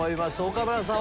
岡村さん